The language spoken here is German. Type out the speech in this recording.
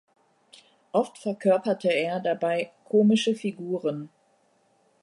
Oft verkörperte er dabei komische Figuren.